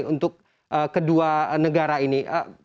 untuk kedua negara ini